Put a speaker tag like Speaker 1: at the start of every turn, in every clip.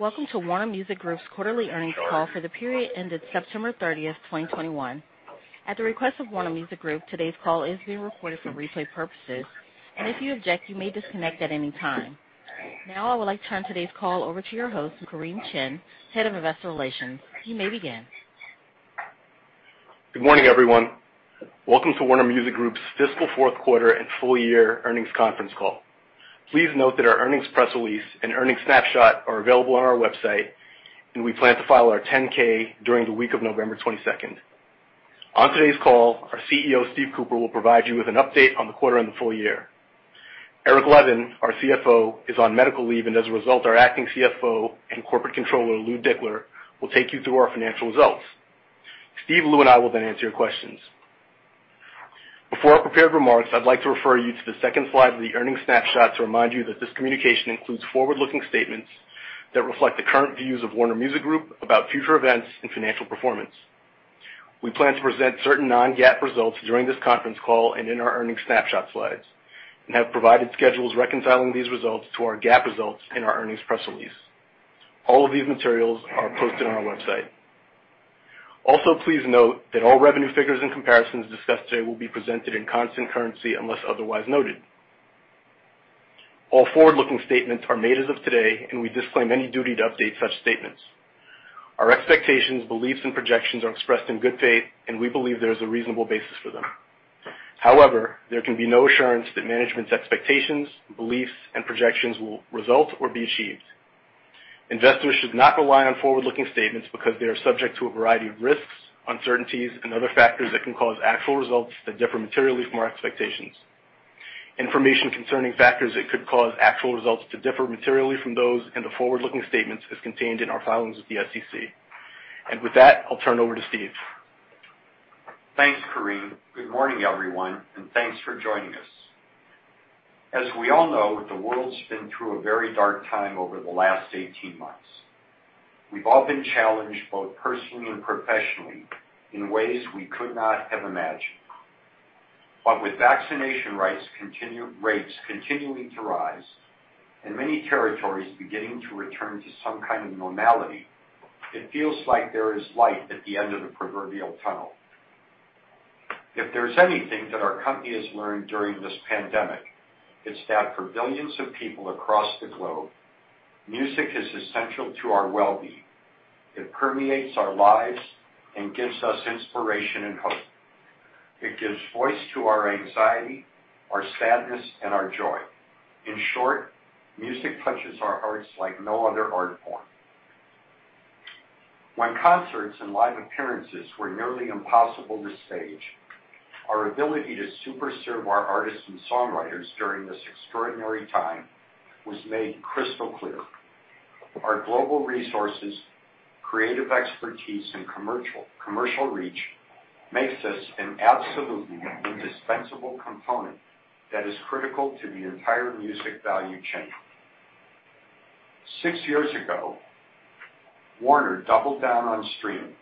Speaker 1: Welcome to Warner Music Group's quarterly earnings call for the period ended September 30, 2021. At the request of Warner Music Group, today's call is being recorded for replay purposes. If you object, you may disconnect at any time. Now, I would like to turn today's call over to your host, Kareem Chin, Head of investor relations. You may begin.
Speaker 2: Good morning, everyone. Welcome to Warner Music Group's Fiscal Q4 and Full Year Earnings Conference Call. Please note that our earnings press release and earnings snapshot are available on our website, and we plan to file our 10-K during the week of November 22. On today's call, our CEO, Steve Cooper, will provide you with an update on the quarter and the full year. Eric Levin, our CFO, is on medical leave, and as a result, our acting CFO and corporate controller, Louis Dickler, will take you through our financial results. Steve, Lou, and I will then answer your questions. Before our prepared remarks, I'd like to refer you to the second slide of the earnings snapshot to remind you that this communication includes forward-looking statements that reflect the current views of Warner Music Group about future events and financial performance. We plan to present certain non-GAAP results during this conference call and in our earnings snapshot slides, and have provided schedules reconciling these results to our GAAP results in our earnings press release. All of these materials are posted on our website. Also, please note that all revenue figures and comparisons discussed today will be presented in constant currency unless otherwise noted. All forward-looking statements are made as of today, and we disclaim any duty to update such statements. Our expectations, beliefs, and projections are expressed in good faith, and we believe there is a reasonable basis for them. However, there can be no assurance that management's expectations, beliefs, and projections will result or be achieved. Investors should not rely on forward-looking statements because they are subject to a variety of risks, uncertainties, and other factors that can cause actual results to differ materially from our expectations. Information concerning factors that could cause actual results to differ materially from those in the forward-looking statements is contained in our filings with the SEC. With that, I'll turn over to Steve.
Speaker 3: Thanks, Kareem. Good morning, everyone, and thanks for joining us. As we all know, the world's been through a very dark time over the last 18 months. We've all been challenged, both personally and professionally, in ways we could not have imagined. With vaccination rates continuing to rise and many territories beginning to return to some kind of normality, it feels like there is light at the end of the proverbial tunnel. If there's anything that our company has learned during this pandemic, it's that for billions of people across the globe, music is essential to our wellbeing. It permeates our lives and gives us inspiration and hope. It gives voice to our anxiety, our sadness, and our joy. In short, music touches our hearts like no other art form. When concerts and live appearances were nearly impossible to stage, our ability to super serve our artists and songwriters during this extraordinary time was made crystal clear. Our global resources, creative expertise, and commercial reach makes us an absolutely indispensable component that is critical to the entire music value chain. Six years ago, Warner doubled down on streaming.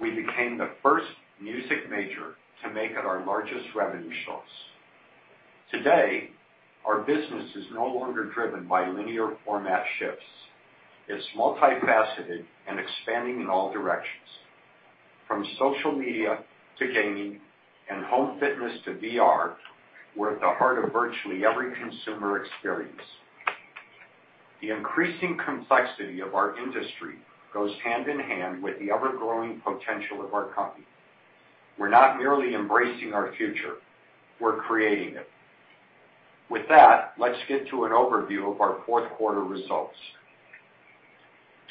Speaker 3: We became the first music major to make it our largest revenue source. Today, our business is no longer driven by linear format shifts. It's multifaceted and expanding in all directions. From social media to gaming and home fitness to VR, we're at the heart of virtually every consumer experience. The increasing complexity of our industry goes hand in hand with the ever-growing potential of our company. We're not merely embracing our future, we're creating it. With that, let's get to an overview of our fourth quarter results.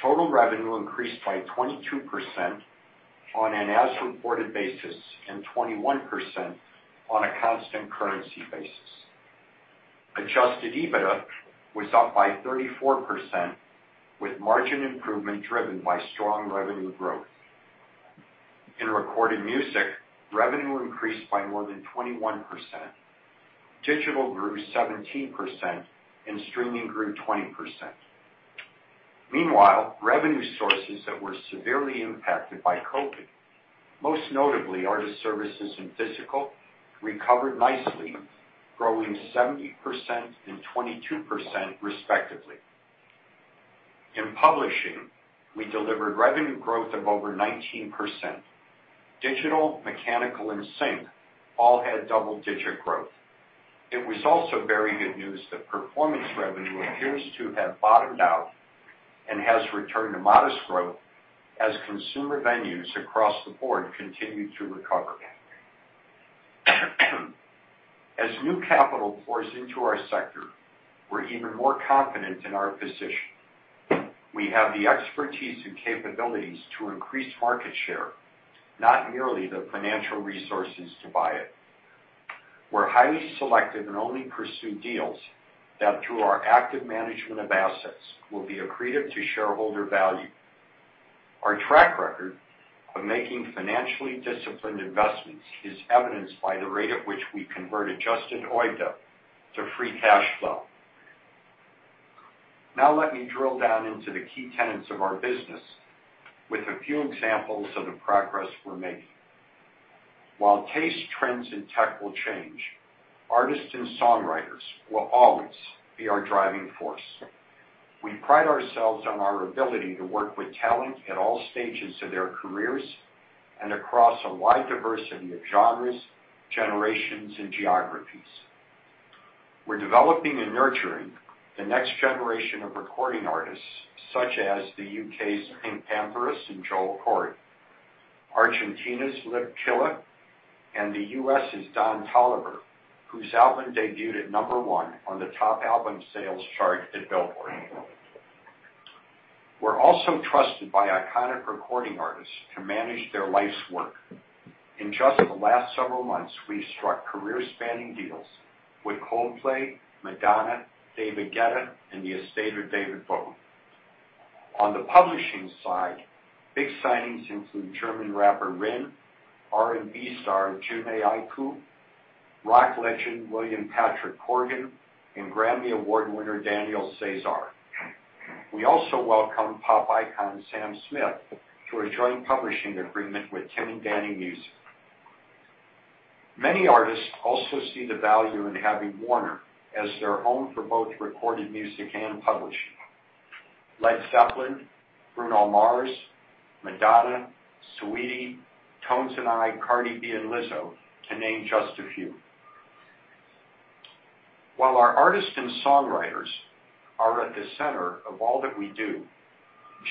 Speaker 3: Total revenue increased by 22% on an as-reported basis and 21% on a constant currency basis. Adjusted EBITDA was up by 34%, with margin improvement driven by strong revenue growth. In recorded music, revenue increased by more than 21%. Digital grew 17%, and streaming grew 20%. Meanwhile, revenue sources that were severely impacted by COVID, most notably artist services and physical, recovered nicely, growing 70% and 22% respectively. In publishing, we delivered revenue growth of over 19%. Digital, mechanical, and sync all had double-digit growth. It was also very good news that performance revenue appears to have bottomed out and has returned to modest growth as consumer venues across the board continue to recover. As new capital pours into our sector, we're even more confident in our position. We have the expertise and capabilities to increase market share, not merely the financial resources to buy it. We're highly selective and only pursue deals that, through our active management of assets, will be accretive to shareholder value. Our track record of making financially disciplined investments is evidenced by the rate at which we convert Adjusted OIBDA to free cash flow. Now let me drill down into the key tenets of our business with a few examples of the progress we're making. While taste trends and tech will change, artists and songwriters will always be our driving force. We pride ourselves on our ability to work with talent at all stages of their careers and across a wide diversity of genres, generations, and geographies. We're developing and nurturing the next generation of recording artists such as the U.K.'s Pinkpantheress and Joel Corry, Argentina's Lit Killah, and the U.S.'s Don Toliver, whose album debuted at number one on the Top Album Sales chart at Billboard. We're also trusted by iconic recording artists to manage their life's work. In just the last several months, we struck career-spanning deals with Coldplay, Madonna, David Guetta, and the estate of David Bowie. On the publishing side, big signings include German rapper RIN, R&B star Jhené Aiko, rock legend William Patrick Corgan, and Grammy Award winner Daniel Caesar. We also welcome pop icon Sam Smith to a joint publishing agreement with Tim & Danny Music. Many artists also see the value in having Warner as their home for both recorded music and publishing. Led Zeppelin, Bruno Mars, Madonna, Saweetie, Tones and I, Cardi B, and Lizzo, to name just a few. While our artists and songwriters are at the center of all that we do,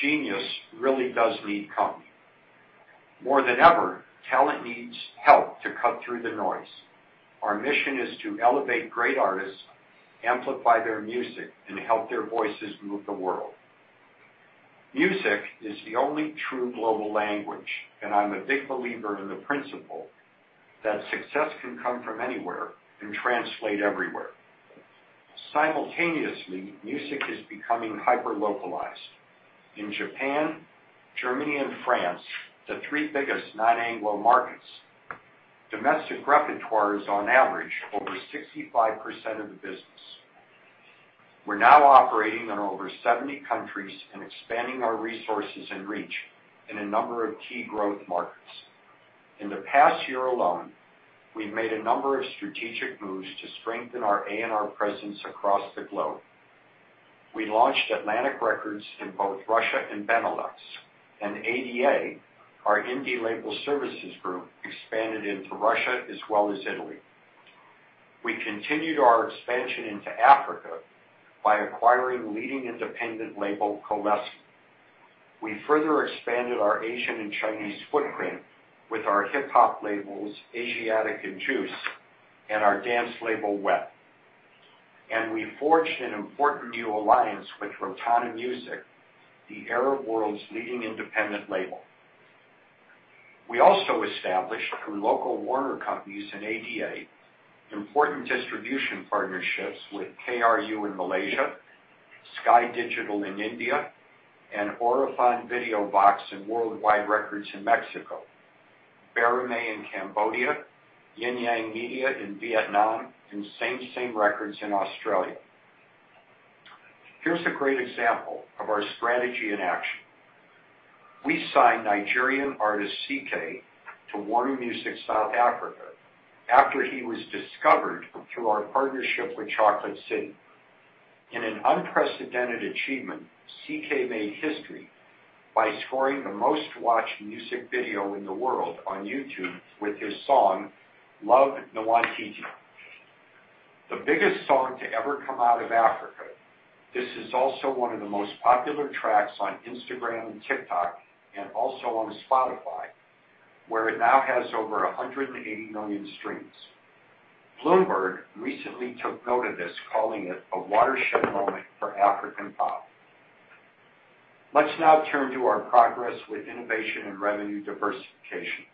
Speaker 3: genius really does need company. More than ever, talent needs help to cut through the noise. Our mission is to elevate great artists, amplify their music, and help their voices move the world. Music is the only true global language, and I'm a big believer in the principle that success can come from anywhere and translate everywhere. Simultaneously, music is becoming hyper-localized. In Japan, Germany, and France, the three biggest non-Anglo markets, domestic repertoire is on average, over 65% of the business. We're now operating in over 70 countries and expanding our resources and reach in a number of key growth markets. In the past year alone, we've made a number of strategic moves to strengthen our A&R presence across the globe. We launched Atlantic Records in both Russia and Benelux, and ADA, our indie label services group, expanded into Russia as well as Italy. We continued our expansion into Africa by acquiring leading independent label, Coleske. We further expanded our Asian and Chinese footprint with our hip hop labels, Asiatic and JUUICE, and our dance label, Whet. We forged an important new alliance with Rotana Music, the Arab world's leading independent label. We also established, through local Warner companies in ADA, important distribution partnerships with KRU in Malaysia, Sky Digital in India, and Orfeon VideoVox and Worldwide Records in Mexico, Baramey in Cambodia, Yin Yang Media in Vietnam, and SameSame Records in Australia. Here's a great example of our strategy in action. We signed Nigerian artist, CKay, to Warner Music South Africa after he was discovered through our partnership with Chocolate City. In an unprecedented achievement, CKay made history by scoring the most-watched music video in the world on YouTube with his song, Love Nwantiti, the biggest song to ever come out of Africa. This is also one of the most popular tracks on Instagram and TikTok and also on Spotify, where it now has over 180 million streams. Bloomberg recently took note of this, calling it a watershed moment for African pop. Let's now turn to our progress with innovation and revenue diversification.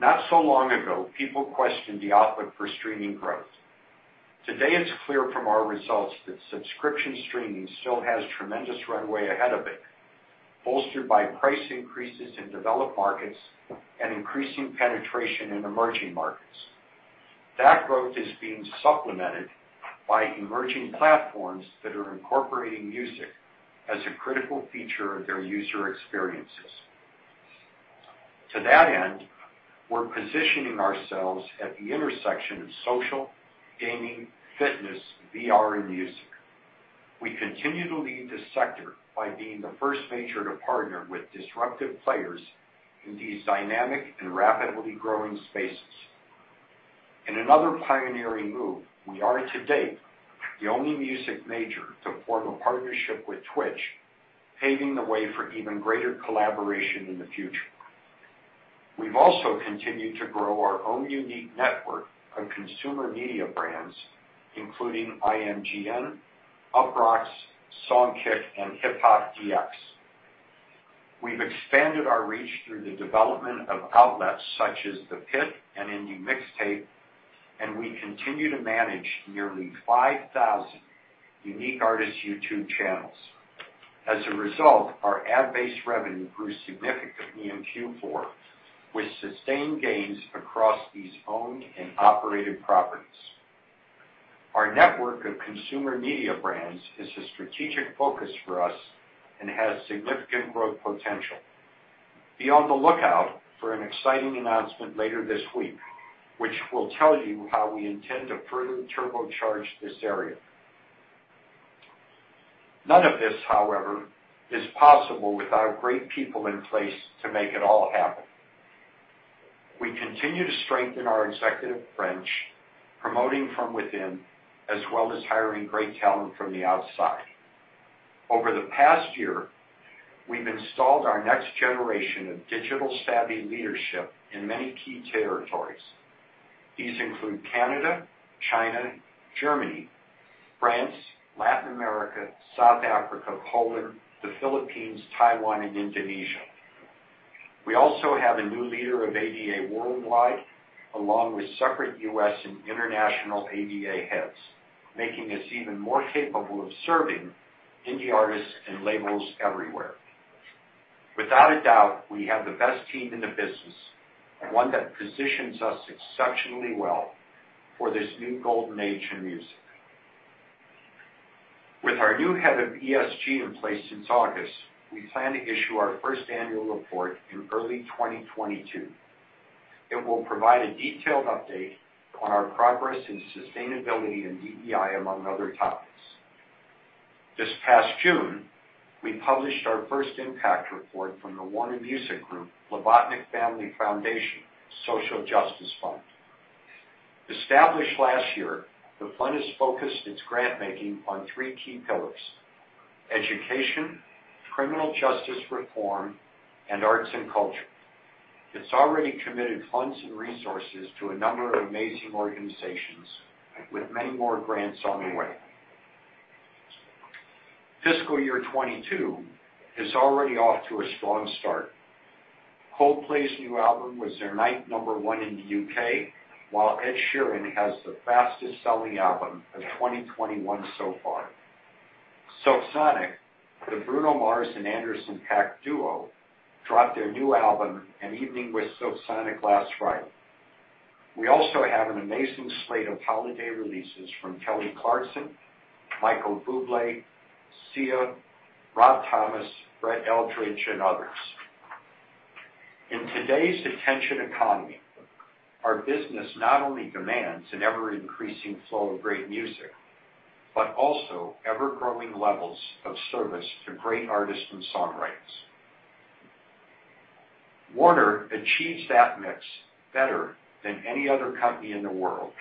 Speaker 3: Not so long ago, people questioned the output for streaming growth. Today, it's clear from our results that subscription streaming still has tremendous runway ahead of it, bolstered by price increases in developed markets and increasing penetration in emerging markets. That growth is being supplemented by emerging platforms that are incorporating music as a critical feature of their user experiences. To that end, we're positioning ourselves at the intersection of social, gaming, fitness, VR, and music. We continue to lead this sector by being the first major to partner with disruptive players in these dynamic and rapidly growing spaces. In another pioneering move, we are to date, the only music major to form a partnership with Twitch, paving the way for even greater collaboration in the future. We've also continued to grow our own unique network of consumer media brands, including IMGN, Uproxx, Songkick, and HipHopDX. We've expanded our reach through the development of outlets such as The Pit and Indie Mixtape, and we continue to manage nearly 5,000 unique artist YouTube channels. As a result, our ad-based revenue grew significantly in Q4, with sustained gains across these owned and operated properties. Our network of consumer media brands is a strategic focus for us and has significant growth potential. Be on the lookout for an exciting announcement later this week, which will tell you how we intend to further turbocharge this area. None of this, however, is possible without great people in place to make it all happen. We continue to strengthen our executive branch, promoting from within, as well as hiring great talent from the outside. Over the past year, we've installed our next generation of digital-savvy leadership in many key territories. These include Canada, China, Germany, France, Latin America, South Africa, Poland, the Philippines, Taiwan, and Indonesia. We also have a new leader of ADA Worldwide, along with separate U.S. and international ADA heads, making us even more capable of serving indie artists and labels everywhere. Without a doubt, we have the best team in the business, and one that positions us exceptionally well for this new golden age in music. With our new head of ESG in place since August, we plan to issue our first annual report in early 2022. It will provide a detailed update on our progress in sustainability and DEI, among other topics. This past June, we published our first impact report from the Warner Music Group/Blavatnik Family Foundation Social Justice Fund. Established last year, the fund has focused its grant-making on three key pillars, education, criminal justice reform, and arts and culture. It's already committed funds and resources to a number of amazing organizations, with many more grants on the way. Fiscal year 2022 is already off to a strong start. Coldplay's new album was their ninth number one in the U.K., while Ed Sheeran has the fastest-selling album of 2021 so far. Silk Sonic, the Bruno Mars and Anderson .Paak duo, dropped their new album, An Evening with Silk Sonic, last Friday. We also have an amazing slate of holiday releases from Kelly Clarkson, Michael Bublé, Sia, Rob Thomas, Brett Eldredge, and others. In today's attention economy, our business not only demands an ever-increasing flow of great music, but also ever-growing levels of service to great artists and songwriters. Warner achieves that mix better than any other company in the world,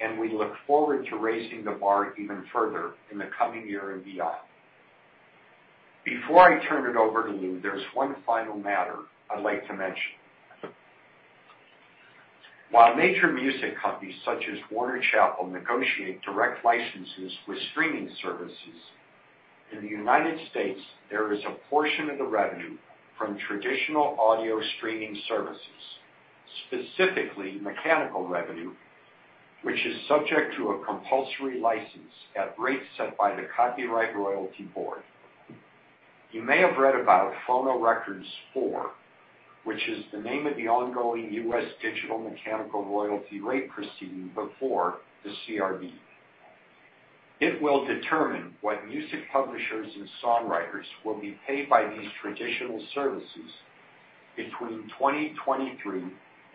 Speaker 3: and we look forward to raising the bar even further in the coming year and beyond. Before I turn it over to Lou, there's one final matter I'd like to mention. While major music companies, such as Warner Chappell, negotiate direct licenses with streaming services, in the United States, there is a portion of the revenue from traditional audio streaming services, specifically mechanical revenue, which is subject to a compulsory license at rates set by the Copyright Royalty Board. You may have read about Phonorecords IV, which is the name of the ongoing U.S. digital mechanical royalty rate proceeding before the CRB. It will determine what music publishers and songwriters will be paid by these traditional services between 2023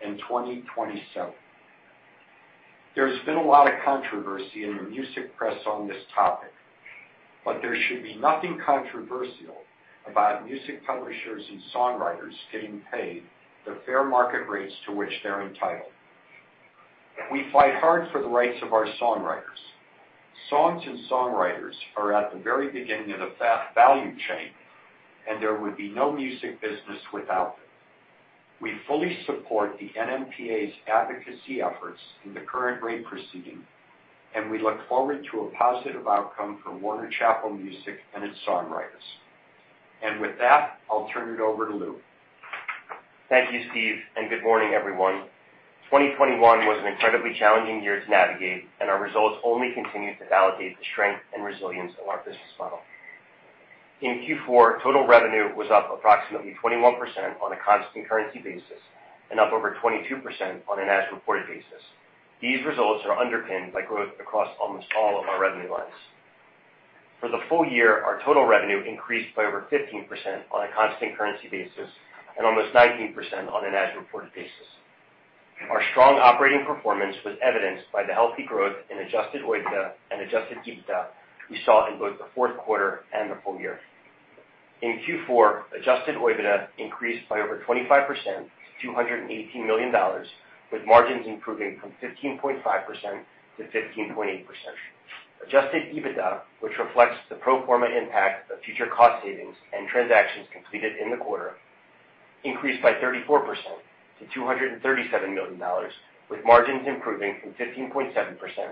Speaker 3: and 2027. There's been a lot of controversy in the music press on this topic, but there should be nothing controversial about music publishers and songwriters getting paid the fair market rates to which they're entitled. We fight hard for the rights of our songwriters. Songs and songwriters are at the very beginning of the value chain, and there would be no music business without them. We fully support the NMPA's advocacy efforts in the current rate proceeding, and we look forward to a positive outcome for Warner Chappell Music and its songwriters. With that, I'll turn it over to Lou.
Speaker 4: Thank you, Steve, and good morning, everyone. 2021 was an incredibly challenging year to navigate, and our results only continue to validate the strength and resilience of our business model. In Q4, total revenue was up approximately 21% on a constant currency basis and up over 22% on an as-reported basis. These results are underpinned by growth across almost all of our revenue lines. For the full year, our total revenue increased by over 15% on a constant currency basis and almost 19% on an as-reported basis. Our strong operating performance was evidenced by the healthy growth in adjusted OIBDA and adjusted EBITDA we saw in both the fourth quarter and the full year. In Q4, adjusted OIBDA increased by over 25%, $218 million, with margins improving from 15.5% to 15.8%.,Adjusted EBITDA, which reflects the pro forma impact of future cost savings and transactions completed in the quarter, increased by 34% to $237 million, with margins improving from 15.7% to 17.2%.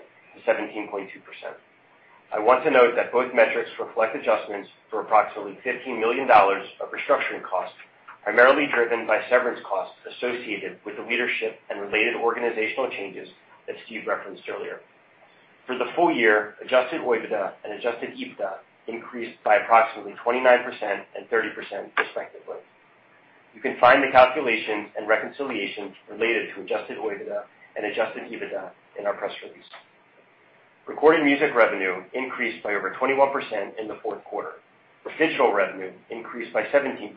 Speaker 4: I want to note that both metrics reflect adjustments for approximately $15 million of restructuring costs, primarily driven by severance costs associated with the leadership and related organizational changes that Steve referenced earlier. For the full year, adjusted OIBDA and adjusted EBITDA increased by approximately 29% and 30% respectively. You can find the calculations and reconciliations related to adjusted OIBDA and adjusted EBITDA in our press release. Recorded music revenue increased by over 21% in the fourth quarter. Official revenue increased by 17%,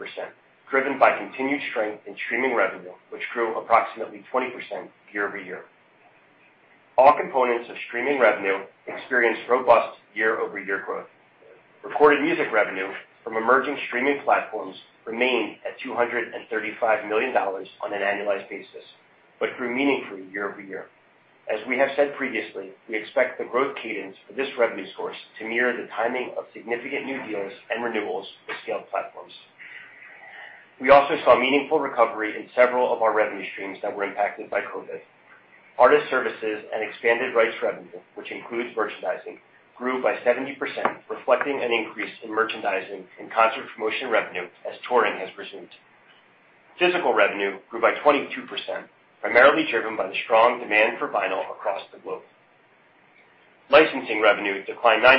Speaker 4: driven by continued strength in streaming revenue, which grew approximately 20% year-over-year. All components of streaming revenue experienced robust year-over-year growth. Recorded music revenue from emerging streaming platforms remained at $235 million on an annualized basis, but grew meaningfully year-over-year. As we have said previously, we expect the growth cadence for this revenue source to mirror the timing of significant new deals and renewals with scaled platforms. We also saw meaningful recovery in several of our revenue streams that were impacted by COVID. Artist services and expanded rights revenue, which includes merchandising, grew by 70%, reflecting an increase in merchandising and concert promotion revenue as touring has resumed. Physical revenue grew by 22%, primarily driven by the strong demand for vinyl across the globe. Licensing revenue declined 9%,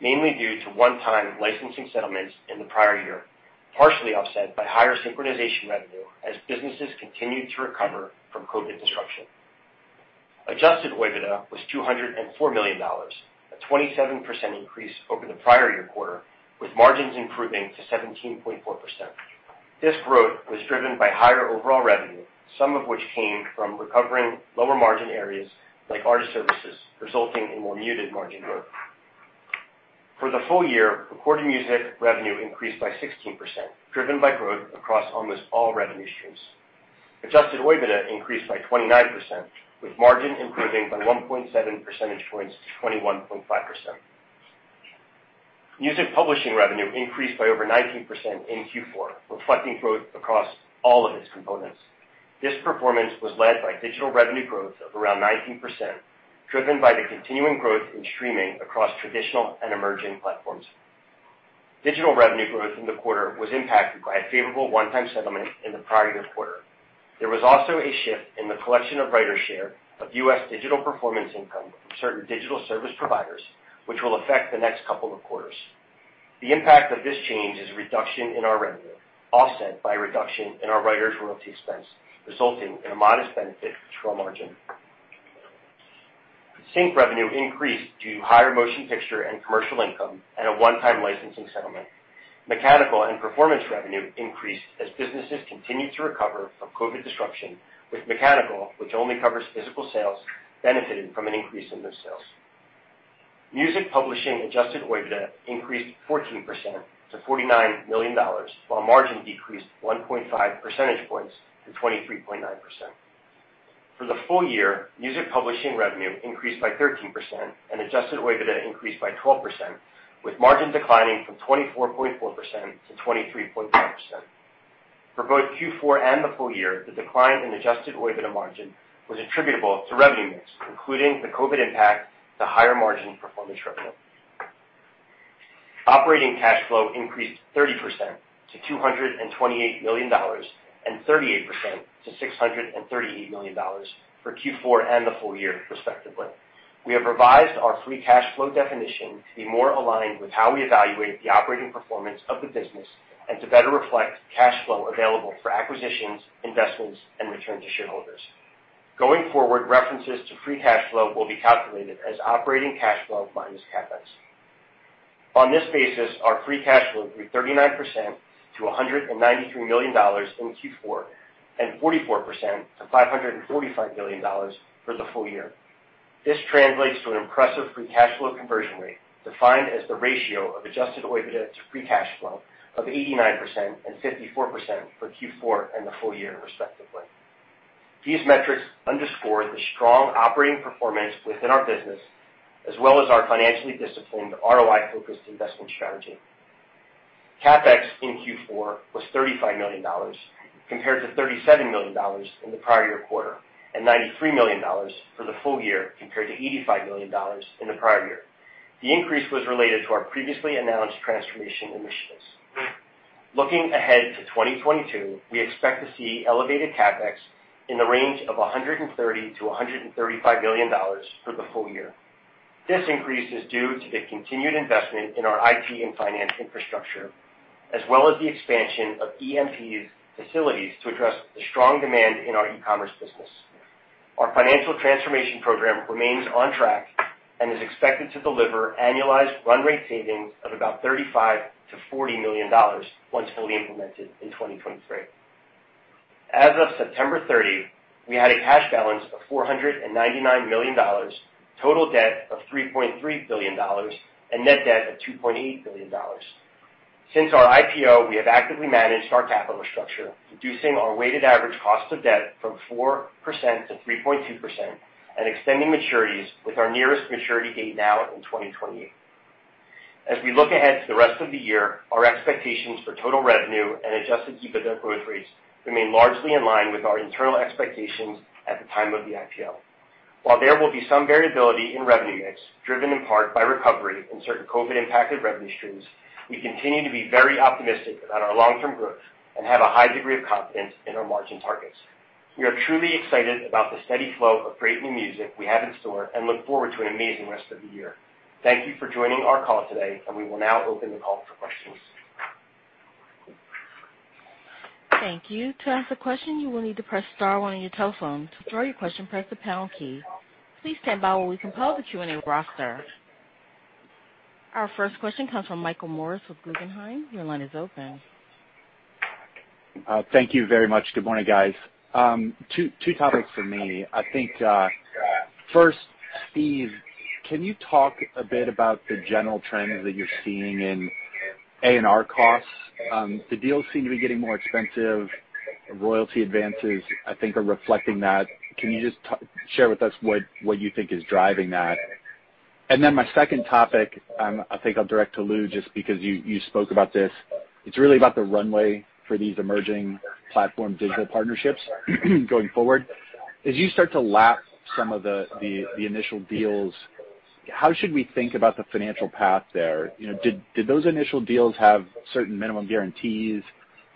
Speaker 4: mainly due to one-time licensing settlements in the prior year, partially offset by higher synchronization revenue as businesses continued to recover from COVID disruption. Adjusted OIBDA was $204 million, a 27% increase over the prior year quarter, with margins improving to 17.4%. This growth was driven by higher overall revenue, some of which came from recovering lower margin areas like artist services, resulting in more muted margin growth. For the full year, recorded music revenue increased by 16%, driven by growth across almost all revenue streams. Adjusted OIBDA increased by 29%, with margin improving by 1.7 percentage points to 21.5%. Music publishing revenue increased by over 19% in Q4, reflecting growth across all of its components. This performance was led by digital revenue growth of around 19%, driven by the continuing growth in streaming across traditional and emerging platforms. Digital revenue growth in the quarter was impacted by a favorable one-time settlement in the prior year quarter. There was also a shift in the collection of writer share of U.S. digital performance income from certain digital service providers, which will affect the next couple of quarters. The impact of this change is a reduction in our revenue, offset by a reduction in our writers' royalty expense, resulting in a modest benefit to margin. Sync revenue increased due to higher motion picture and commercial income and a one-time licensing settlement. Mechanical and performance revenue increased as businesses continued to recover from COVID disruption, with mechanical, which only covers physical sales, benefiting from an increase in those sales. Music Publishing Adjusted OIBDA increased 14% to $49 million, while margin decreased 1.5 percentage points to 23.9%. For the full year, music publishing revenue increased by 13% and adjusted OIBDA increased by 12%, with margin declining from 24.4% to 23.5%. For both Q4 and the full year, the decline in adjusted OIBDA margin was attributable to revenue mix, including the COVID impact to higher margin performance revenue. Operating cash flow increased 30% to $228 million and 38% to $638 million for Q4 and the full year respectively. We have revised our free cash flow definition to be more aligned with how we evaluate the operating performance of the business and to better reflect cash flow available for acquisitions, investments, and return to shareholders. Going forward, references to free cash flow will be calculated as operating cash flow minus CapE.. On this basis, our free cash flow grew 39% to $193 million in Q4 and 44% to $545 million for the full year. This translates to an impressive free cash flow conversion rate, defined as the ratio of adjusted OIBDA to free cash flow of 89% and 54% for Q4 and the full year respectively. These metrics underscore the strong operating performance within our business, as well as our financially disciplined ROI-focused investment strategy. CapEx in Q4 was $35 million compared to $37 million in the prior year quarter, and $93 million for the full year compared to $85 million in the prior year. The increase was related to our previously announced transformation initiatives. Looking ahead to 2022, we expect to see elevated CapEx in the range of $130 million-$135 million for the full year. This increase is due to the continued investment in our IT and finance infrastructure, as well as the expansion of EMP's facilities to address the strong demand in our e-commerce business. Our financial transformation program remains on track and is expected to deliver annualized run rate savings of about $35 million-$40 million once fully implemented in 2023. As of September 30, we had a cash balance of $499 million, total debt of $3.3 billion, and net debt of $2.8 billion. Since our IPO, we have actively managed our capital structure, reducing our weighted average cost of debt from 4% to 3.2% and extending maturities with our nearest maturity date now in 2028. As we look ahead to the rest of the year, our expectations for total revenue and adjusted EBITDA growth rates remain largely in line with our internal expectations at the time of the IPO. While there will be some variability in revenue mix, driven in part by recovery in certain COVID-impacted revenue streams, we continue to be very optimistic about our long-term growth and have a high degree of confidence in our margin targets. We are truly excited about the steady flow of great new music we have in store, and look forward to an amazing rest of the year. Thank you for joining our call today, and we will now open the call for questions.
Speaker 1: Thank you. To ask a question, you will need to press star one on your telephone. To withdraw your question, press the pound key. Please stand by while we compile the Q&A roster. Our first question comes from Michael Morris with Guggenheim. Your line is open.
Speaker 5: Thank you very much. Good morning, guys. Two topics for me. I think first, Steve, can you talk a bit about the general trends that you're seeing in A&R costs. The deals seem to be getting more expensive. Royalty advances, I think, are reflecting that. Can you just share with us what you think is driving that? Then my second topic, I think I'll direct to Lou, just because you spoke about this. It's really about the runway for these emerging platform digital partnerships going forward. As you start to lap some of the initial deals, how should we think about the financial path there? You know, did those initial deals have certain minimum guarantees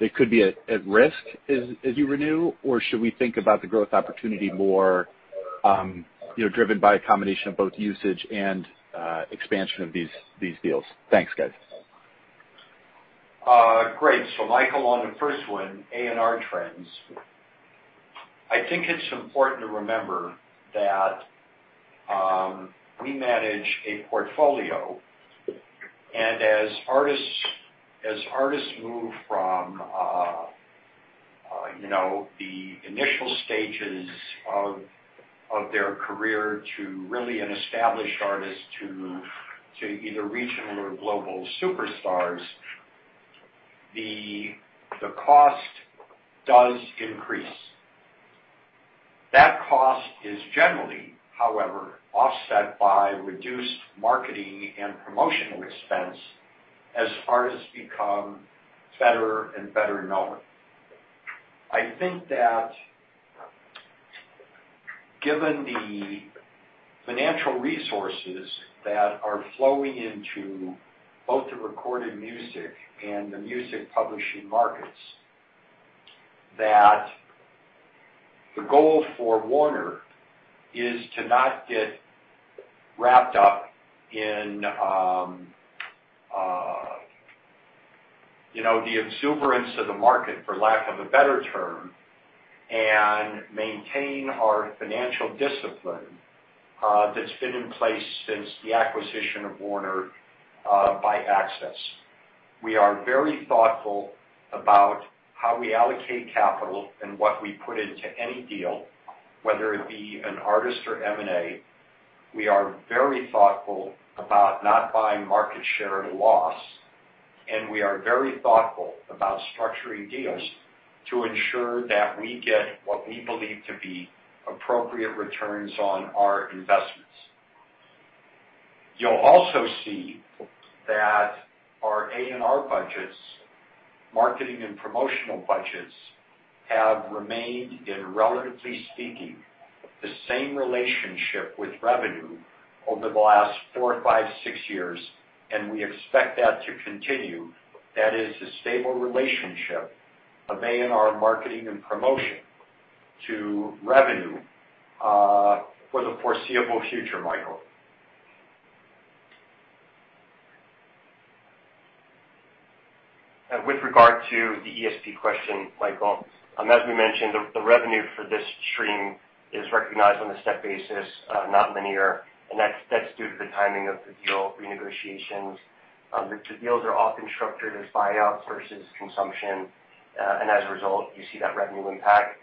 Speaker 5: that could be at risk as you renew, or should we think about the growth opportunity more, you know, driven by a combination of both usage and expansion of these deals? Thanks, guys.
Speaker 3: Great. Michael, on the first one, A&R trends. I think it's important to remember that we manage a portfolio, and as artists move from you know the initial stages of their career to really an established artist to either regional or global superstars, the cost does increase. That cost is generally, however, offset by reduced marketing and promotional expense as artists become better and better known. I think that given the financial resources that are flowing into both the recorded music and the music publishing markets, that the goal for Warner is to not get wrapped up in you know the exuberance of the market, for lack of a better term, and maintain our financial discipline that's been in place since the acquisition of Warner by Access. We are very thoughtful about how we allocate capital and what we put into any deal, whether it be an artist or M&A. We are very thoughtful about not buying market share at a loss, and we are very thoughtful about structuring deals to ensure that we get what we believe to be appropriate returns on our investments. You'll also see that our A&R budgets, marketing and promotional budgets, have remained in, relatively speaking, the same relationship with revenue over the last 4, 5, 6 years, and we expect that to continue. That is a stable relationship of A&R marketing and promotion to revenue for the foreseeable future, Michael.
Speaker 4: With regard to the ESP question, Michael, as we mentioned, the revenue for this stream is recognized on a step basis, not linear. That's due to the timing of the deal renegotiations. The deals are often structured as buyouts versus consumption, and as a result, you see that revenue impact.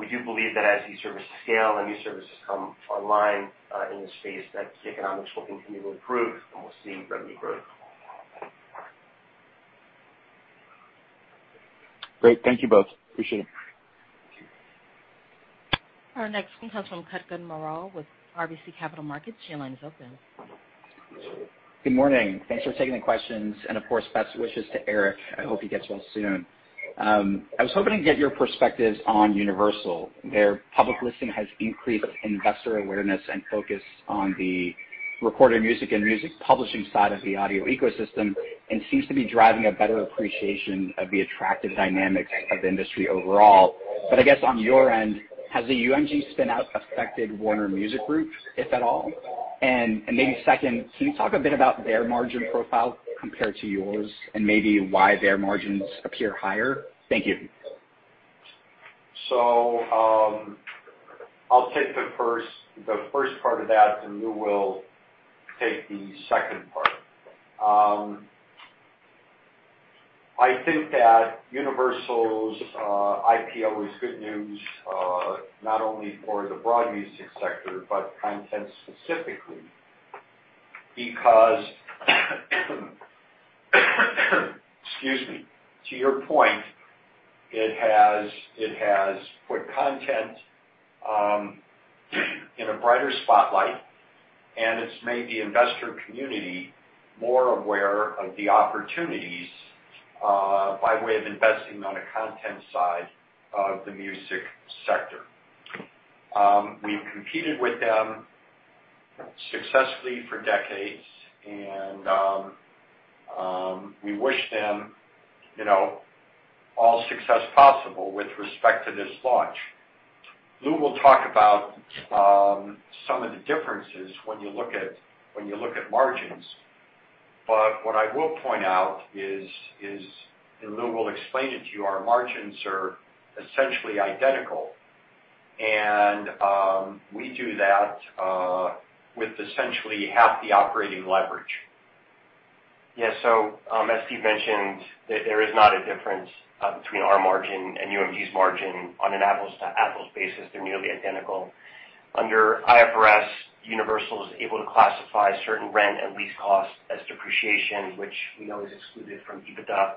Speaker 4: We do believe that as new services scale and new services come online, in the space, that the economics will continue to improve and we'll see revenue growth.
Speaker 5: Great. Thank you both. Appreciate it.
Speaker 1: Our next comes from Kutgun Maral with RBC Capital Markets. Your line is open.
Speaker 6: Good morning. Thanks for taking the questions and, of course, best wishes to Eric. I hope he gets well soon. I was hoping to get your perspectives on Universal. Their public listing has increased investor awareness and focus on the recorded music and music publishing side of the audio ecosystem and seems to be driving a better appreciation of the attractive dynamics of the industry overall. I guess on your end, has the UMG spin-out affected Warner Music Group, if at all? And maybe second, can you talk a bit about their margin profile compared to yours and maybe why their margins appear higher? Thank you.
Speaker 3: I'll take the first part of that, and Lou will take the second part. I think that Universal's IPO is good news, not only for the broad music sector, but content specifically, because. Excuse me. To your point, it has put content in a brighter spotlight, and it's made the investor community more aware of the opportunities by way of investing on the content side of the music sector. We've competed with them successfully for decades and we wish them, you know, all success possible with respect to this launch. Lou will talk about some of the differences when you look at margins. What I will point out is, and Lou will explain it to you, our margins are essentially identical. We do that with essentially half the operating leverage.
Speaker 4: Yeah. As Steve mentioned, there is not a difference between our margin and UMG's margin on an apples to apples basis. They're nearly identical. Under IFRS, Universal is able to classify certain rent and lease costs as depreciation, which we always excluded from EBITDA.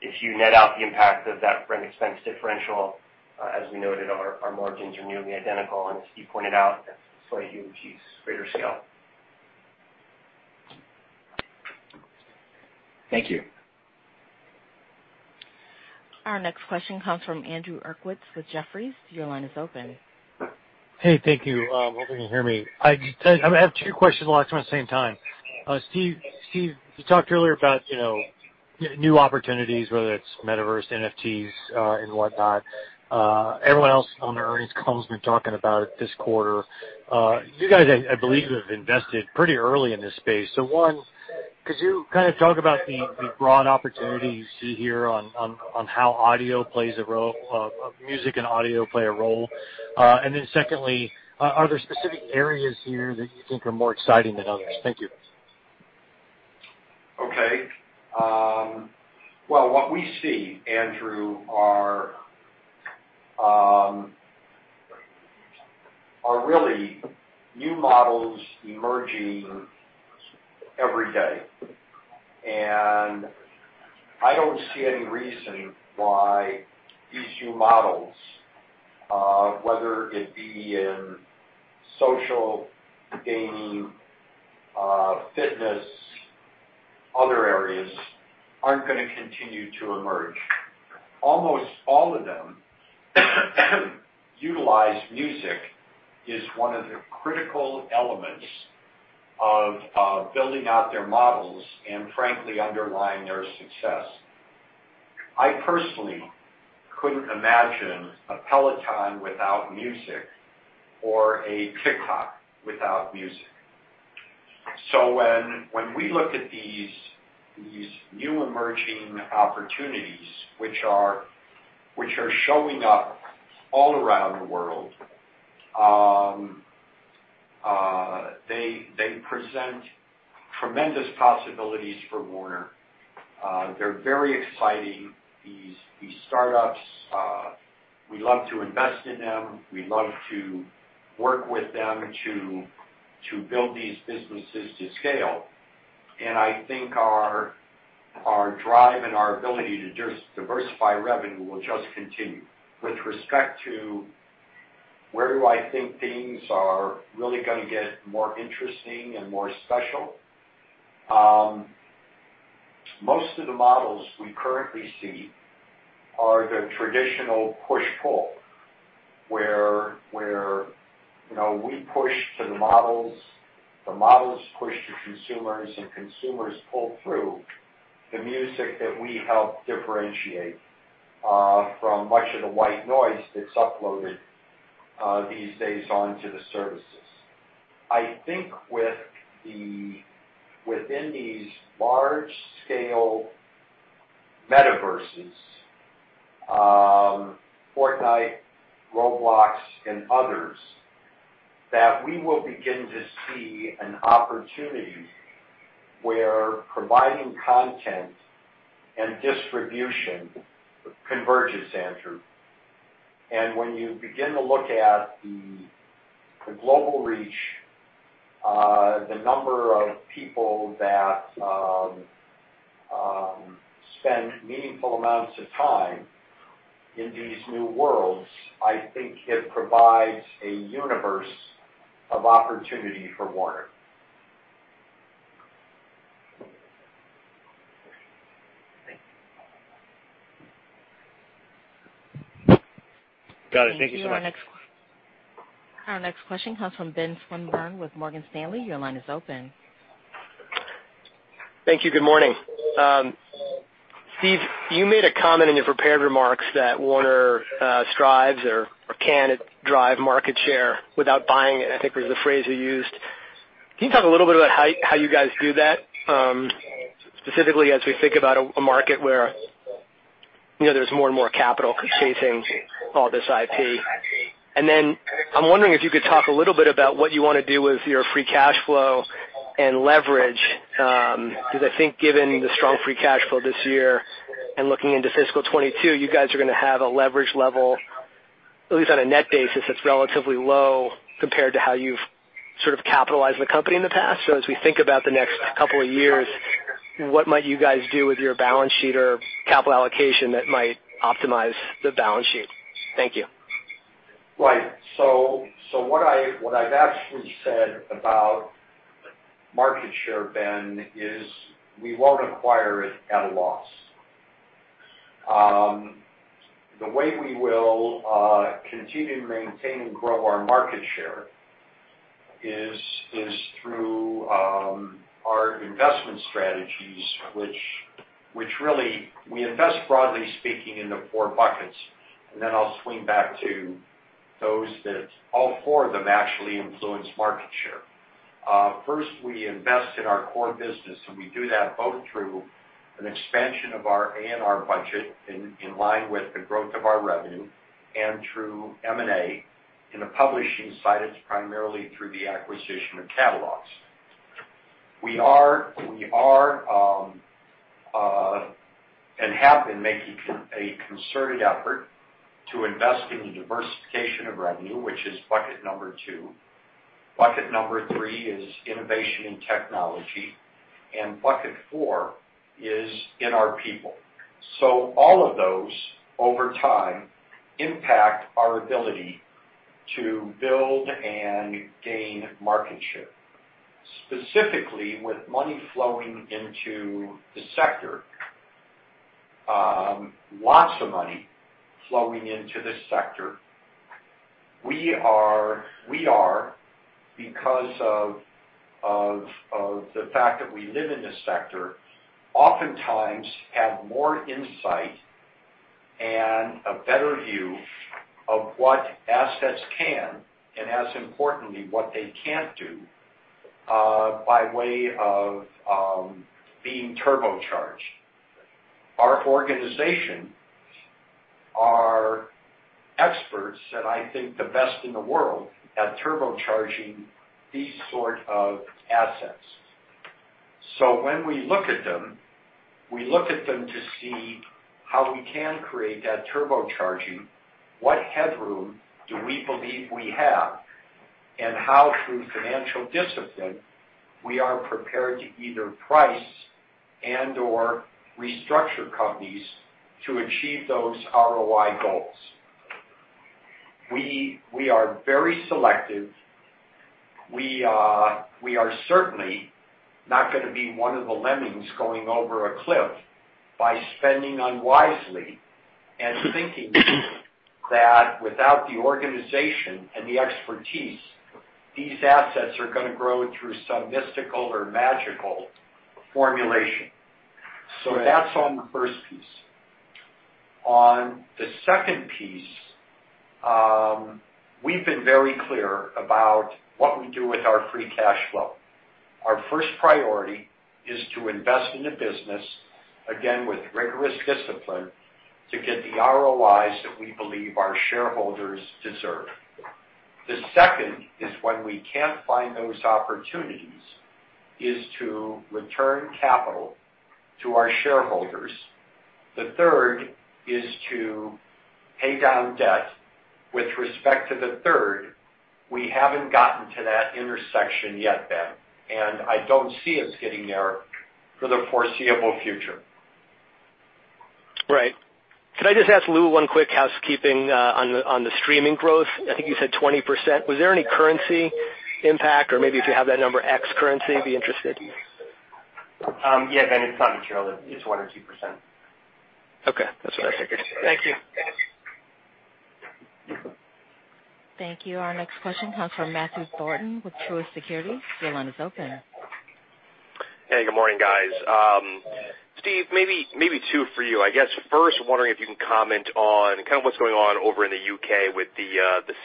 Speaker 4: If you net out the impact of that rent expense differential, as we noted, our margins are nearly identical, and as Steve pointed out, that's despite UMG's greater scale.
Speaker 6: Thank you.
Speaker 1: Our next question comes from Andrew Uerkwitz with Jefferies. Your line is open.
Speaker 7: Hey, thank you. Hopefully you can hear me. I have two questions I'd like to ask at the same time. Steve, you talked earlier about, you know, new opportunities, whether it's Metaverse, NFTs, and whatnot. Everyone else on the earnings call has been talking about it this quarter. You guys, I believe you have invested pretty early in this space. One, could you kind of talk about the broad opportunity you see here on how music and audio play a role? And then secondly, are there specific areas here that you think are more exciting than others? Thank you.
Speaker 3: Okay. Well, what we see, Andrew, are really new models emerging every day. I don't see any reason why these new models, whether it be in social, gaming, fitness, other areas, aren't gonna continue to emerge. Almost all of them utilize music as one of their critical elements of building out their models and frankly underlying their success. I personally couldn't imagine a Peloton without music or a TikTok without music. When we look at these new emerging opportunities, which are showing up all around the world, they present tremendous possibilities for Warner. They're very exciting, these startups. We love to invest in them. We love to work with them to build these businesses to scale. I think our drive and our ability to just diversify revenue will just continue. With respect to where do I think things are really gonna get more interesting and more special, most of the models we currently see are the traditional push-pull, where you know we push to the models, the models push to consumers, and consumers pull through the music that we help differentiate from much of the white noise that's uploaded these days onto the services. I think within these large-scale metaverses, Fortnite, Roblox, and others, that we will begin to see an opportunity where providing content and distribution converges, Andrew. When you begin to look at the global reach, the number of people that spend meaningful amounts of time in these new worlds, I think it provides a universe of opportunity for Warner.
Speaker 7: Got it. Thank you so much.
Speaker 1: Thank you. Our next question comes from Benjamin Swinburne with Morgan Stanley. Your line is open.
Speaker 8: Thank you. Good morning. Steve, you made a comment in your prepared remarks that Warner strives or can drive market share without buying it, I think was the phrase you used. Can you talk a little bit about how you guys do that, specifically as we think about a market where, you know, there's more and more capital chasing all this IP? And then I'm wondering if you could talk a little bit about what you wanna do with your free cash flow and leverage, because I think given the strong free cash flow this year and looking into fiscal 2022, you guys are gonna have a leverage level, at least on a net basis, that's relatively low compared to how you've sort of capitalized the company in the past. As we think about the next couple of years, what might you guys do with your balance sheet or capital allocation that might optimize the balance sheet? Thank you.
Speaker 3: Right. What I've actually said about market share, Ben, is we won't acquire it at a loss. The way we will continue to maintain and grow our market share is through our investment strategies, which really we invest broadly speaking in the four buckets. Then I'll swing back to those that all four of them actually influence market share. First, we invest in our core business, and we do that both through an expansion of our A&R budget in line with the growth of our revenue, and through M&A. In the publishing side, it's primarily through the acquisition of catalogs. We are and have been making a concerted effort to invest in the diversification of revenue, which is bucket number two. Bucket number 3 is innovation in technology, and bucket 4 is in our people. All of those over time impact our ability to build and gain market share. Specifically, with money flowing into the sector, lots of money flowing into the sector, we are because of the fact that we live in this sector, oftentimes have more insight and a better view of what assets can, and as importantly, what they can't do, by way of being turbocharged. Our organization are experts and I think the best in the world at turbocharging these sort of assets. When we look at them, we look at them to see how we can create that turbocharging, what headroom do we believe we have, and how through financial discipline, we are prepared to either price and/or restructure companies to achieve those ROI goals. We are very selective. We are certainly not gonna be one of the lemmings going over a cliff by spending unwisely and thinking that without the organization and the expertise, these assets are gonna grow through some mystical or magical formulation. That's on the first piece. On the second piece, we've been very clear about what we do with our free cash flow. Our first priority is to invest in the business, again, with rigorous discipline to get the ROIs that we believe our shareholders deserve. The second is when we can't find those opportunities is to return capital to our shareholders. The third is to pay down debt. With respect to the third, we haven't gotten to that intersection yet, Ben, and I don't see us getting there for the foreseeable future.
Speaker 8: Right. Could I just ask Lou one quick housekeeping on the streaming growth? I think you said 20%. Was there any currency impact or maybe if you have that number ex currency, I'd be interested.
Speaker 4: Yeah, Ben, it's not material. It's 1%-2%.
Speaker 8: Okay. That's what I figured. Thank you.
Speaker 1: Thank you. Our next question comes from Matthew Thornton with Truist Securities. Your line is open.
Speaker 9: Hey, good morning, guys. Steve, maybe two for you. I guess first, wondering if you can comment on kind of what's going on over in the U.K. with the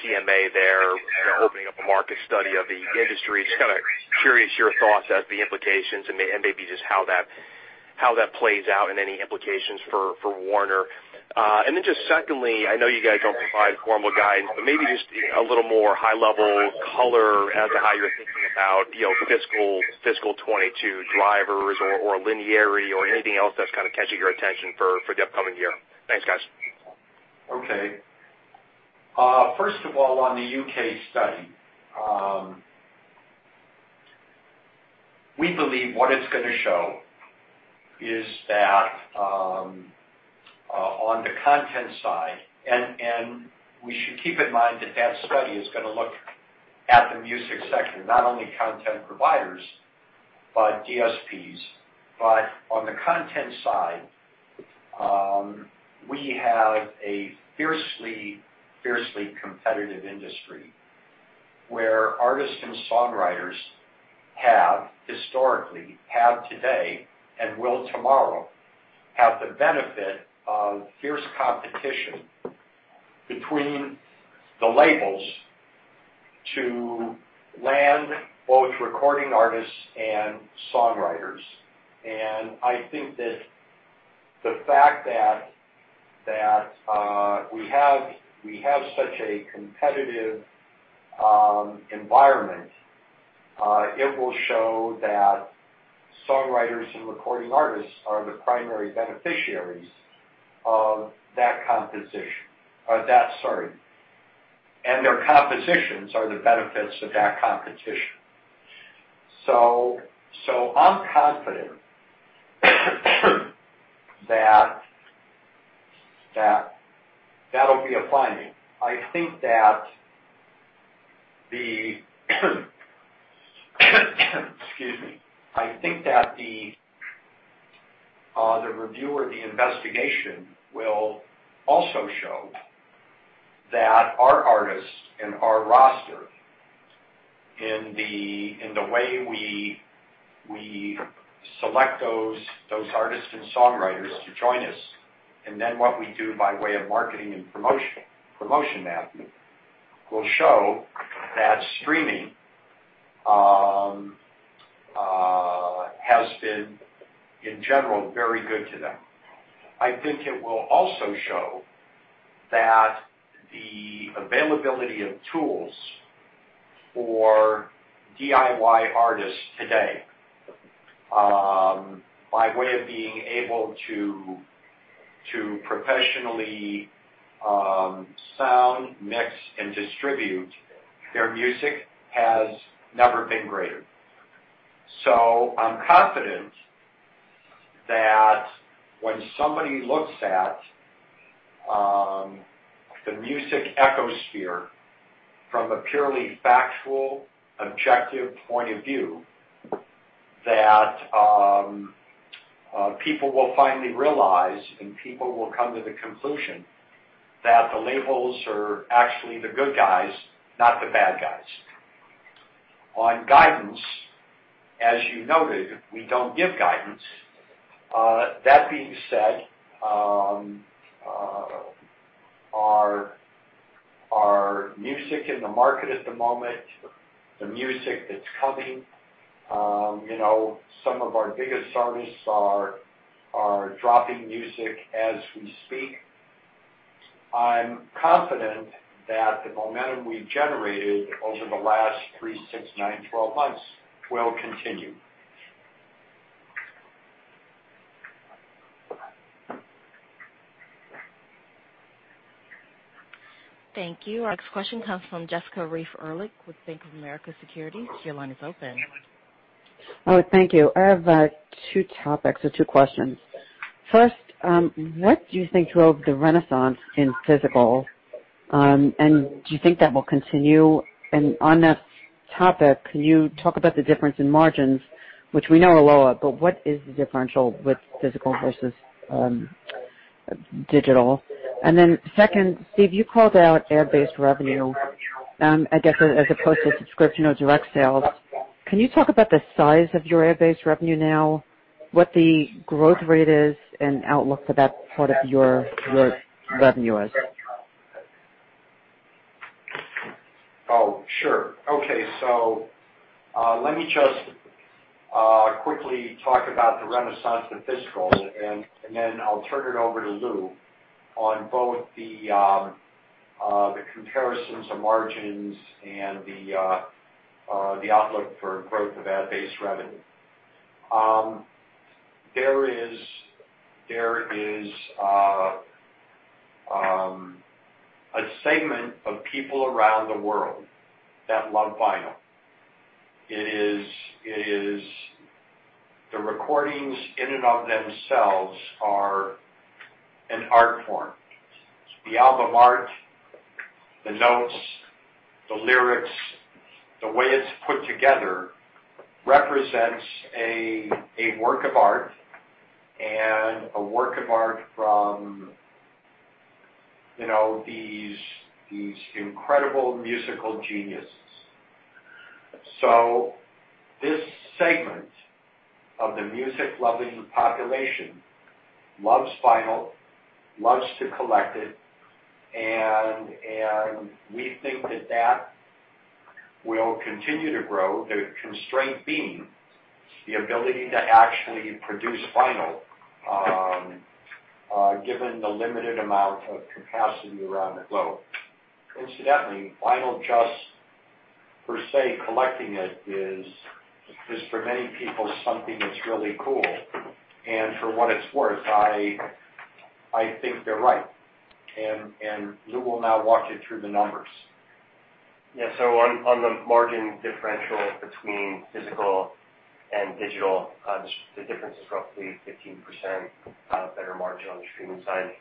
Speaker 9: CMA there. They're opening up a market study of the industry. Just kinda curious your thoughts as the implications and maybe just how that plays out and any implications for Warner. And then just secondly, I know you guys don't provide formal guides, but maybe just a little more high-level color as to how you're thinking about, you know, fiscal 2022 drivers or linearity or anything else that's kind of catching your attention for the upcoming year. Thanks, guys.
Speaker 3: Okay. First of all, on the U.K. study, we believe what it's gonna show is that, on the content side, we should keep in mind that study is gonna look at the music section, not only content providers, but DSPs. On the content side, we have a fiercely competitive industry where artists and songwriters have historically, today, and will tomorrow have the benefit of fierce competition between the labels to land both recording artists and songwriters. I think that the fact that we have such a competitive environment, it will show that songwriters and recording artists are the primary beneficiaries of that competition, sorry. Their compositions are the benefits of that competition. I'm confident that that'll be a finding. I think that. Excuse me. I think that the review or the investigation will also show that our artists and our roster in the way we select those artists and songwriters to join us, and then what we do by way of marketing and promotion now will show that streaming has been, in general, very good to them. I think it will also show that the availability of tools for DIY artists today by way of being able to professionally sound, mix and distribute their music has never been greater. I'm confident that when somebody looks at the music ecosystem from a purely factual, objective point of view, that people will finally realize and people will come to the conclusion that the labels are actually the good guys, not the bad guys. On guidance, as you noted, we don't give guidance. That being said, our music in the market at the moment, the music that's coming, you know, some of our biggest artists are dropping music as we speak. I'm confident that the momentum we've generated over the last 3, 6, 9, 12 months will continue.
Speaker 1: Thank you. Our next question comes from Jessica Reif Ehrlich with BofA Securities. Your line is open.
Speaker 10: Oh, thank you. I have two topics or two questions. First, what do you think drove the renaissance in physical, and do you think that will continue? On that topic, can you talk about the difference in margins, which we know are lower, but what is the differential with physical versus digital? Second, Steve, you called out ad-based revenue, I guess, as opposed to subscription or direct sales. Can you talk about the size of your ad-based revenue now, what the growth rate is and outlook for that part of your revenue?
Speaker 3: Oh, sure. Okay. Let me just quickly talk about the renaissance in physical, and then I'll turn it over to Lou on both the comparisons of margins and the outlook for growth of ad-based revenue. There is a segment of people around the world that love vinyl. It is. The recordings in and of themselves are an art form. The album art, the notes, the lyrics, the way it's put together represents a work of art from, you know, these incredible musical geniuses. This segment of the music-loving population loves vinyl, loves to collect it, and we think that that will continue to grow, the constraint being the ability to actually produce vinyl, given the limited amount of capacity around the globe. Incidentally, vinyl just, per se, collecting it is for many people something that's really cool. For what it's worth, I think they're right. Lou will now walk you through the numbers.
Speaker 4: On the margin differential between physical and digital, the difference is roughly 15%, better margin on the streaming side.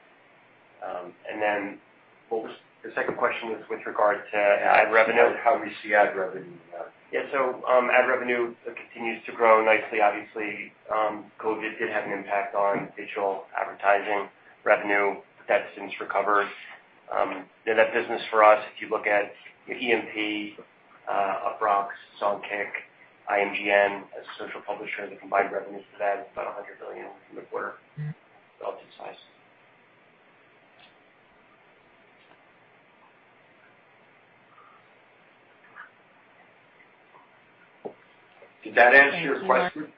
Speaker 4: What was the second question with regard to ad revenue?
Speaker 3: How we see ad revenue.
Speaker 4: Ad revenue continues to grow nicely. Obviously, COVID did have an impact on digital advertising revenue. That's since recovered. In that business for us, if you look at EMP, Uproxx, Songkick, IMGN as social publishers, the combined revenues to that is about $100 million in the quarter. Relative size.
Speaker 3: Did that answer your question?
Speaker 1: Thank you.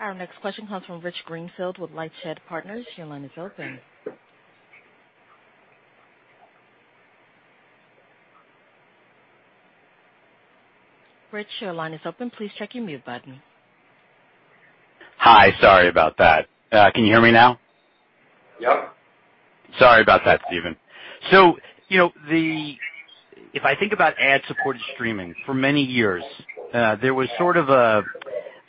Speaker 1: Our next question comes from Rich Greenfield with LightShed Partners. Your line is open. Rich, your line is open. Please check your mute button.
Speaker 11: Hi. Sorry about that. Can you hear me now?
Speaker 3: Yep.
Speaker 11: Sorry about that, Steve. You know, if I think about ad-supported streaming, for many years, there was sort of a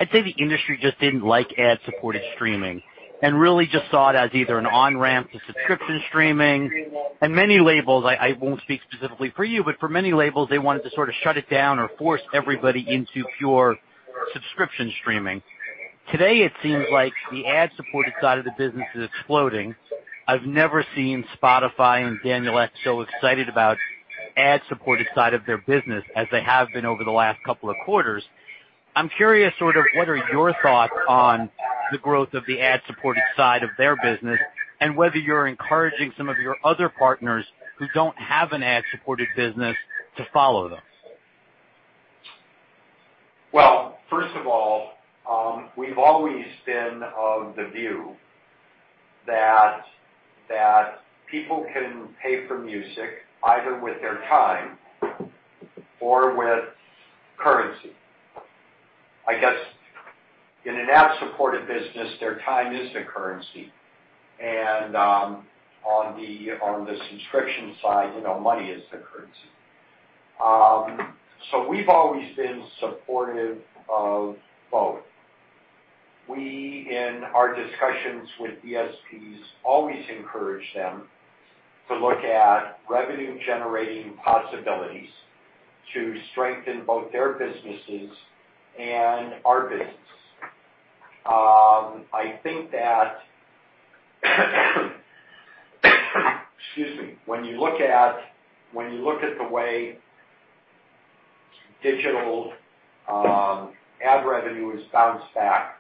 Speaker 11: I'd say the industry just didn't like ad-supported streaming and really just saw it as either an on-ramp to subscription streaming. Many labels, I won't speak specifically for you, but for many labels, they wanted to sort of shut it down or force everybody into pure subscription streaming. Today, it seems like the ad-supported side of the business is exploding. I've never seen Spotify and Daniel Ek so excited about ad-supported side of their business as they have been over the last couple of quarters. I'm curious sort of what are your thoughts on the growth of the ad-supported side of their business and whether you're encouraging some of your other partners who don't have an ad-supported business to follow them.
Speaker 3: Well, first of all, we've always been of the view that people can pay for music either with their time or with currency. I guess in an ad-supported business, their time is the currency. On the subscription side, you know, money is the currency. We've always been supportive of both. We in our discussions with DSPs always encourage them to look at revenue-generating possibilities to strengthen both their businesses and our business. I think that, excuse me. When you look at the way digital ad revenue has bounced back,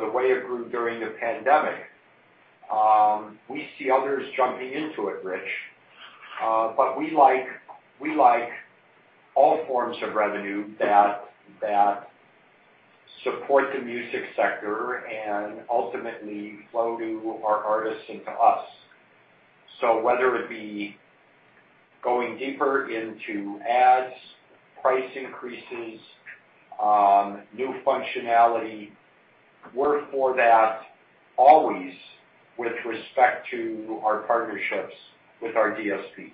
Speaker 3: the way it grew during the pandemic, we see others jumping into it, Rich. We like all forms of revenue that support the music sector and ultimately flow to our artists and to us. Whether it be going deeper into ads, price increases, new functionality, we're for that always with respect to our partnerships with our DSPs.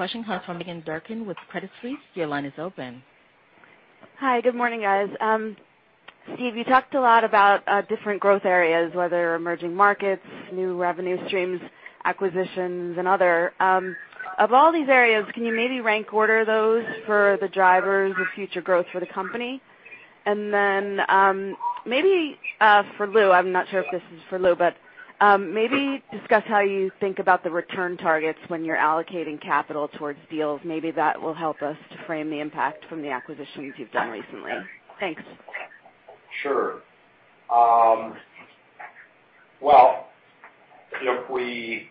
Speaker 11: Thank you.
Speaker 1: Our next question comes from Meghan Durkin with Credit Suisse. Your line is open.
Speaker 12: Hi. Good morning, guys. Steve, you talked a lot about, different growth areas, whether emerging markets, new revenue streams, acquisitions, and other. Of all these areas, can you maybe rank order those for the drivers of future growth for the company? Maybe, for Lou, I'm not sure if this is for Lou, but, maybe discuss how you think about the return targets when you're allocating capital towards deals. Maybe that will help us to frame the impact from the acquisitions you've done recently. Thanks.
Speaker 3: Sure. Well, you know,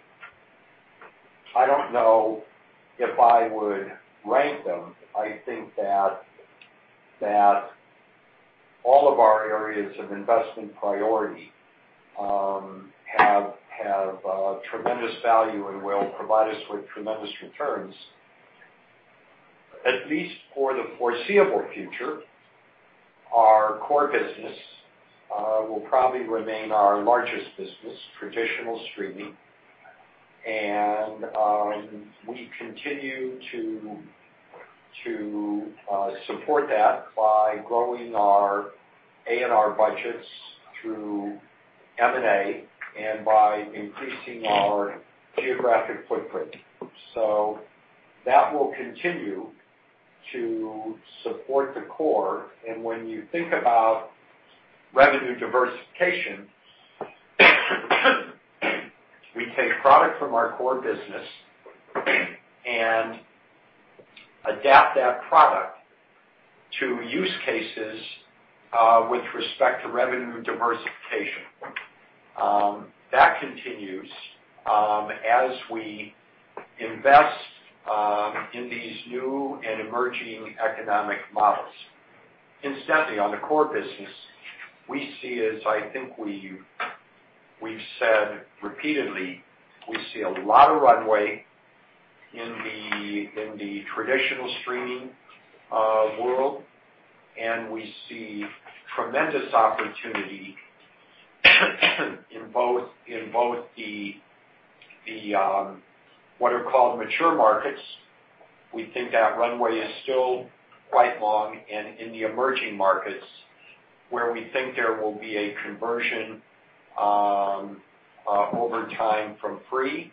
Speaker 3: I don't know if I would rank them. I think all of our areas of investment priority have tremendous value and will provide us with tremendous returns. At least for the foreseeable future, our core business will probably remain our largest business, traditional streaming. We continue to support that by growing our A&R budgets through M&A and by increasing our geographic footprint. That will continue to support the core. When you think about revenue diversification, we take product from our core business and adapt that product to use cases with respect to revenue diversification. That continues as we invest in these new and emerging economic models. Incidentally, on the core business, we see as I think we've said repeatedly, we see a lot of runway in the traditional streaming world, and we see tremendous opportunity in both the what are called mature markets. We think that runway is still quite long. In the emerging markets, where we think there will be a conversion over time from free,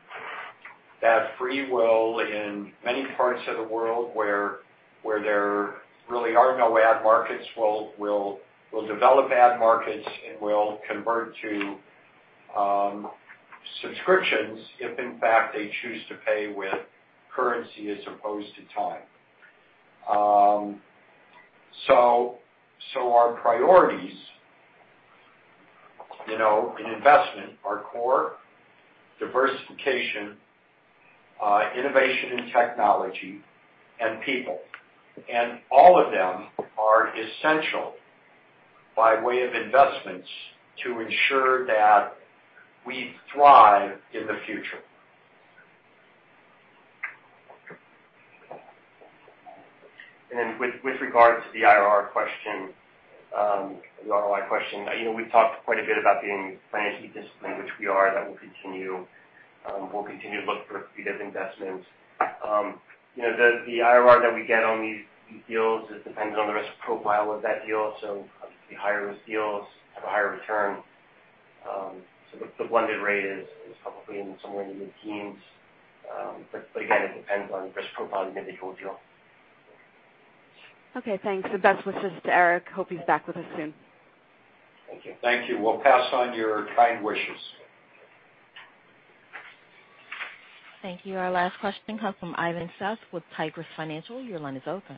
Speaker 3: that free will in many parts of the world where there really are no ad markets will develop ad markets and will convert to subscriptions if in fact they choose to pay with currency as opposed to time. So our priorities, you know, in investment are core diversification, innovation and technology, and people. All of them are essential by way of investments to ensure that we thrive in the future.
Speaker 4: With regards to the IRR question, the ROI question, you know, we've talked quite a bit about being financially disciplined, which we are, and that will continue. We'll continue to look for accretive investments. You know, the IRR that we get on these deals, it depends on the risk profile of that deal. Obviously, higher risk deals have a higher return. The blended rate is probably somewhere in the mid-teens. Again, it depends on risk profile of the individual deal.
Speaker 12: Okay, thanks. Best wishes to Eric. I hope he's back with us soon.
Speaker 4: Thank you.
Speaker 3: Thank you. We'll pass on your kind wishes.
Speaker 1: Thank you. Our last question comes from Ivan Feinseth with Tigress Financial Partners. Your line is open.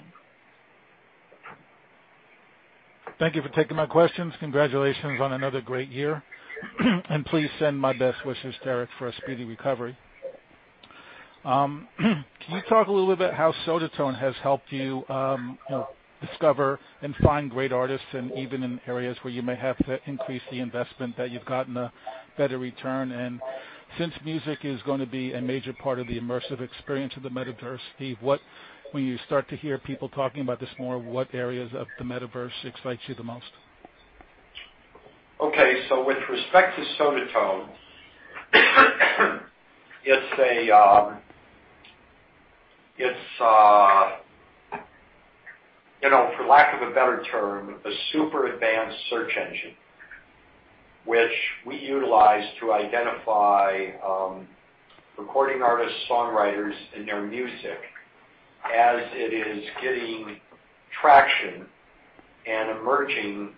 Speaker 13: Thank you for taking my questions. Congratulations on another great year. Please send my best wishes to Eric for a speedy recovery. Can you talk a little bit how Sodatone has helped you know, discover and find great artists and even in areas where you may have to increase the investment that you've gotten a better return? Since music is gonna be a major part of the immersive experience of the Metaverse, Steve, when you start to hear people talking about this more, what areas of the Metaverse excites you the most?
Speaker 3: Okay. With respect to Sodatone, it's a you know, for lack of a better term, a super advanced search engine, which we utilize to identify recording artists, songwriters, and their music as it is getting traction and emerging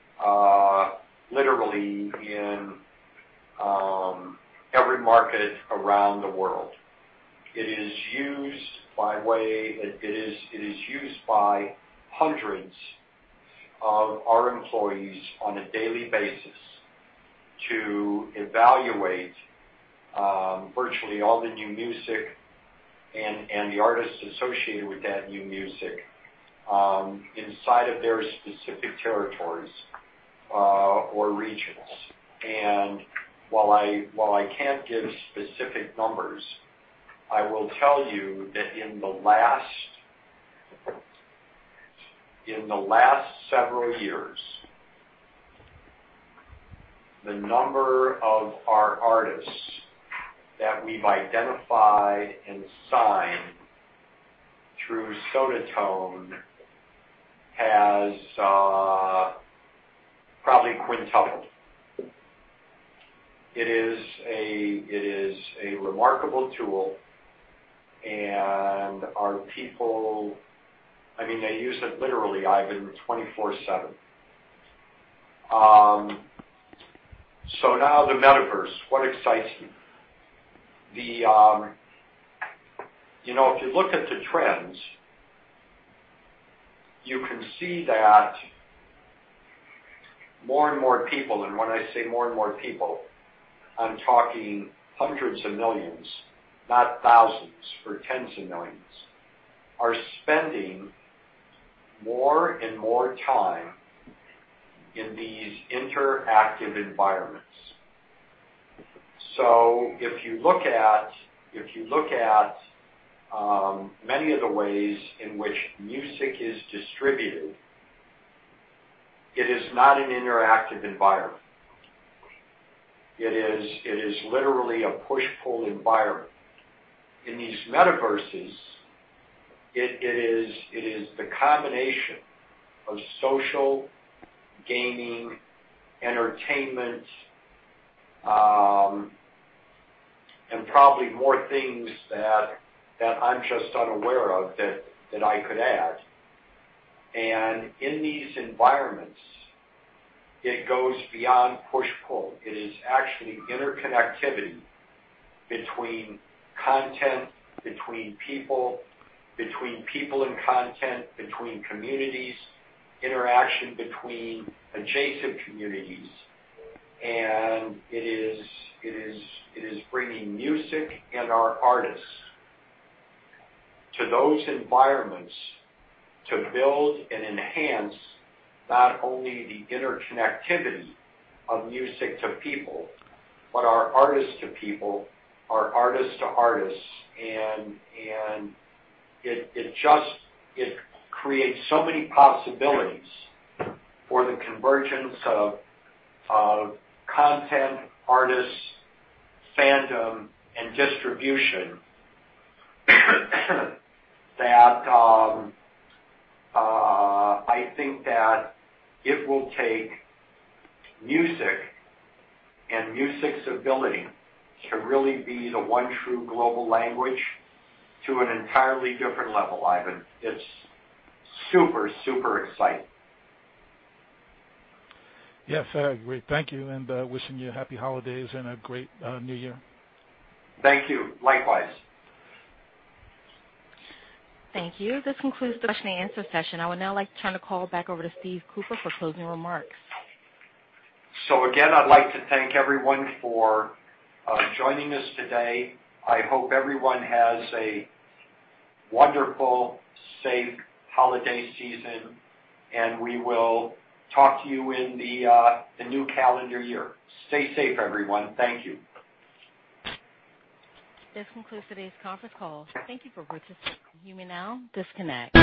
Speaker 3: literally in every market around the world. It is used by hundreds of our employees on a daily basis to evaluate virtually all the new music and the artists associated with that new music inside of their specific territories or regions. While I can't give specific numbers, I will tell you that in the last several years, the number of our artists that we've identified and signed through Sodatone has probably quintupled. It is a remarkable tool, and our people, I mean, they use it literally, Ivan, 24/7. Now the Metaverse. What excites me? The, you know, if you look at the trends, you can see that more and more people, and when I say more and more people, I'm talking hundreds of millions, not thousands or tens of millions, are spending more and more time in these interactive environments. If you look at many of the ways in which music is distributed, it is not an interactive environment. It is literally a push-pull environment. In these Metaverses, it is the combination of social, gaming, entertainment, and probably more things that I'm just unaware of that I could add. In these environments, it goes beyond push-pull. It is actually interconnectivity between content, between people, between people and content, between communities, interaction between adjacent communities. It is bringing music and our artists to those environments to build and enhance not only the interconnectivity of music to people, but our artists to people, our artists to artists. It just creates so many possibilities for the convergence of content, artists, fandom, and distribution that I think that it will take music and music's ability to really be the one true global language to an entirely different level, Ivan. It's super exciting.
Speaker 13: Yes, I agree. Thank you, and wishing you happy holidays and a great New Year.
Speaker 3: Thank you. Likewise.
Speaker 1: Thank you. This concludes the question and answer session. I would now like to turn the call back over to Steve Cooper for closing remarks.
Speaker 3: Again, I'd like to thank everyone for joining us today. I hope everyone has a wonderful, safe holiday season, and we will talk to you in the new calendar year. Stay safe, everyone. Thank you.
Speaker 1: This concludes today's conference call. Thank you for participating. You may now disconnect.